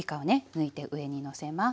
抜いて上にのせます。